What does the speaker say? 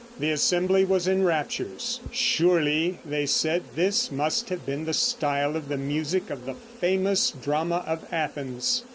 The assembly was in raptures. "Surely," they said, "this must have been the style of the music of the famous drama of Athens."